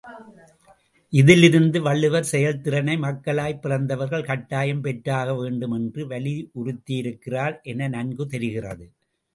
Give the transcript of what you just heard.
இதிலிருந்து வள்ளுவர் செயல்திறனை மக்களாய்ப் பிறந்தவர்கள் கட்டாயம் பெற்றாக வேண்டும் என்று வலியுறுத்தியிருக்கிறார் என நன்கு தெரிகிறது.